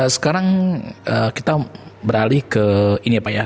sekarang kita beralih ke ini apa ya